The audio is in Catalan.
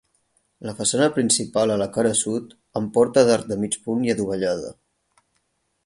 La façana principal a la cara sud, amb porta d'arc de mig punt i adovellada.